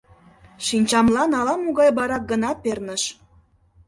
Шинчамлан ала-могай барак гына перныш.